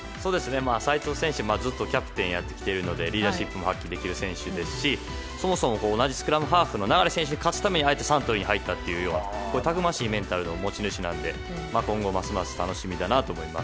齋藤選手は、ずっとキャプテンをやってきているのでリーダーシップも発揮できる選手ですしそもそも同じスクラムハーフの選手に勝つためにあえてサントリーに入ったというたくましいメンタルの持ち主なので今後、ますます楽しみだなと思います。